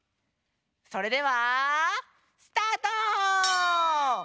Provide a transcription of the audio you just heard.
それではスタート！